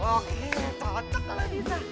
oke cocok kalau bisa